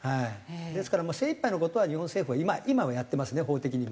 ですからもう精いっぱいの事は日本政府は今はやってますね法的にも。